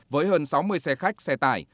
với hơn sáu mươi xe khách xe tải